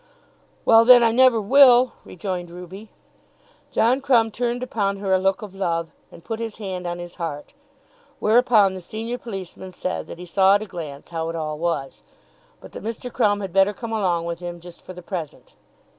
"Well then, I never will," rejoined Ruby. John Crumb turned upon her a look of love, and put his hand on his heart. Whereupon the senior policeman said that he saw at a glance how it all was, but that Mr. Crumb had better come along with him, just for the present.